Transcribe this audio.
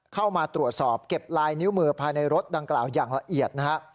เข้ามาตรวจสอบเก็บลายนิ้วมือภายในรถดังกล่าวอย่างละเอียดนะฮะ